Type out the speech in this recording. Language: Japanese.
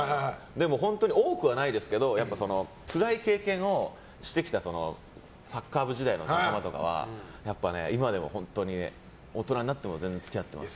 でも多くはないですけどつらい経験をしてきたサッカー部時代の仲間とかは今でも本当に、大人になっても全然付き合ってますよ。